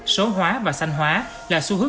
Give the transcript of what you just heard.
số hóa và xanh hóa là xu hướng